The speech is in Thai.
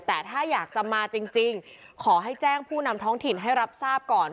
แต่ถ้าอยากจะมาจริงขอให้แจ้งผู้นำท้องถิ่นให้รับทราบก่อน